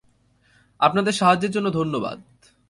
আপনার সাহায্যের জন্য ধন্যবাদ।